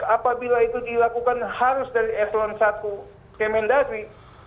apabila itu dilakukan harus dari echelon satu kemendagri